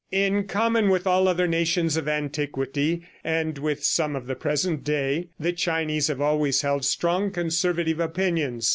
In common with all other nations of antiquity, and with some of the present day, the Chinese have always held strong conservative opinions.